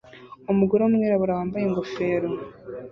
Umugore wumwirabura wambaye ingofero